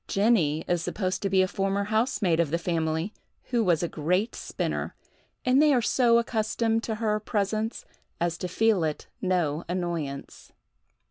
Jenny is supposed to be a former housemaid of the family, who was a great spinner, and they are so accustomed to her presence as to feel it no annoyance.